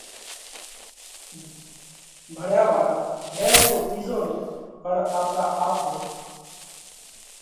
ڀڻيا واۯا نہ رُوڳو ٻِيزون نئہ پڻ آپرا آپ نئہ